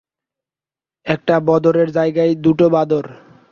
একটা বঁদরের জায়গায় দুটো বাঁদর।